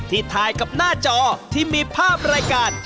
ถ่ายกับหน้าจอที่มีภาพรายการ